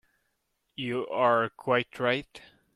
You are quite right.